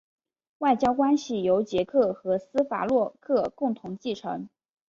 外交关系由捷克和斯洛伐克共同继承。